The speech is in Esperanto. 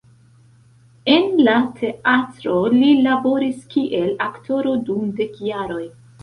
En la teatro li laboris kiel aktoro dum dek jaroj.